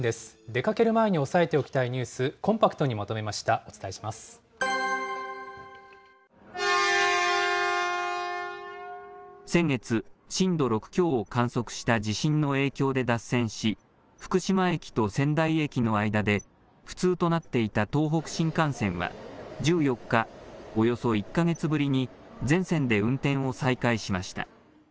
出かける前に押さえておきたいニュース、コンパクトにまとめまし先月、震度６強を観測した地震の影響で脱線し、福島駅と仙台駅の間で不通となっていた東北新幹線は、１４日、およそ１か月ぶりに全線で運転を再開しました。